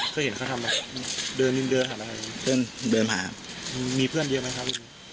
เคยเห็นเขาทำไหมเดินเดินหาอะไรเพื่อนเดินหามีเพื่อนเยอะไหมครับลุง